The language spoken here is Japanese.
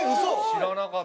知らなかった。